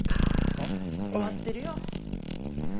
そう終わってるよ。